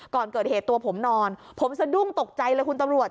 ก่อนเกิดเหตุตัวผมนอนผมสะดุ้งตกใจเลยคุณตำรวจ